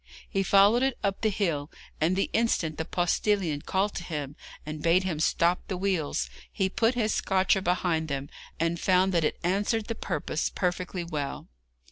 He followed it up the hill, and the instant the postillion called to him and bade him stop the wheels, he put his scotcher behind them, and found that it answered the purpose perfectly well.